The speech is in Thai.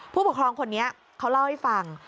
ผู้ปกครองคนนี้เขาเล่าให้ฟัง